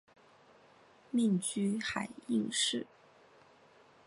命居海印寺。